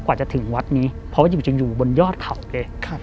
กว่าจะถึงวัดนี้เพราะว่าอยู่จนอยู่บนยอดเขาเลย